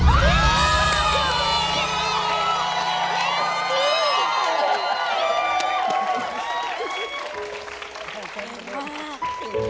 กลัวมาก